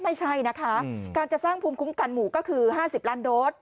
ไม่ใช่นะคะการจะสร้างภูมิคุ้มกันหมู่ก็คือ๕๐ล้านโดส